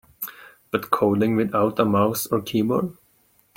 But coding without a mouse or a keyboard?